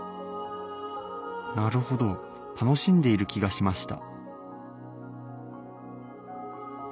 なるほど楽しんでいる気がしました